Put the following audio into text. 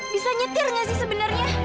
bisa nyetir nggak sih sebenarnya